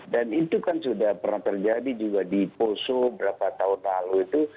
itu kan sudah pernah terjadi juga di poso berapa tahun lalu itu